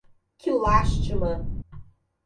Que lástima!